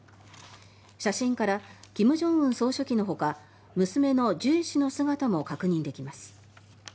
写真から金正恩総書記のほか娘のジュエ氏の姿も確認できます。